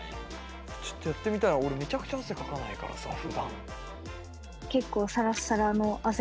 ちょっとやってみたい俺めちゃくちゃ汗かかないからさふだん。